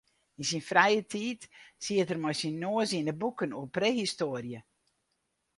Yn syn frije tiid siet er mei syn noas yn de boeken oer prehistoarje.